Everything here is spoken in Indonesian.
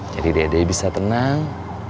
jadi dede bisa tenang